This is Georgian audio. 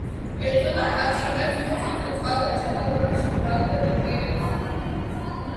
ებრძოდა ყაჩაღებს, კოცონზე წვავდა ჯადოქრობაში ბრალდებულ პირებს.